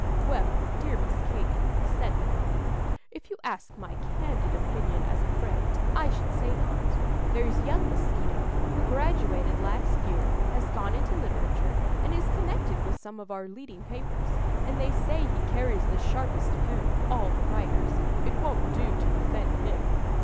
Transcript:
"Well dear Miss Katy," said the colonel, "if you ask my candid opinion as a friend, I should say not. There's young Mosquito, who graduated last year, has gone into literature, and is connected with some of our leading papers, and they say he carries the sharpest pen of all the writers. It won't do to offend him."